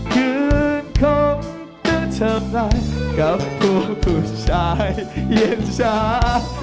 คืนคงจะเจอใครกับผู้ผู้ชายเย็นชา